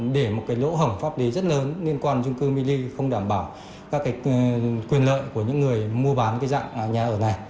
để một lỗ hỏng pháp lý rất lớn liên quan trung cư mini không đảm bảo các quyền lợi của những người mua bán dạng nhà ở này